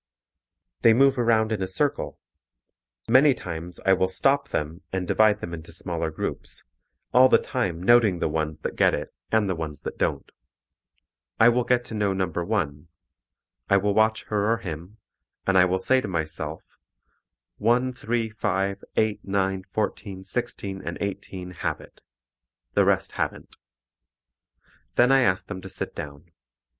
They move around in a circle. Many times I will stop them and divide them into smaller groups, all the time noting the ones that get it and the ones that don't. I will get to know number 1. I will watch her or him, and I will say to myself, 1, 3, 5, 8, 9, 14, 16 and 18 have it; the rest haven't. Then I ask them to sit down.